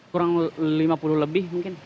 kurang lima puluh lebih mungkin